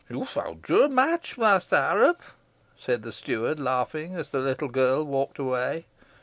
"You've found your match, Master Harrop," said the steward, laughing, as the little girl walked away.